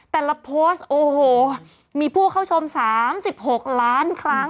แต่ละโพสต์โอ้โหมีผู้เข้าชม๓๖ล้านครั้ง